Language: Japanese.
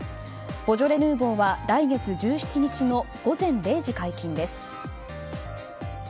ボジョレ・ヌーボーは来月１７日の午前０時解禁です。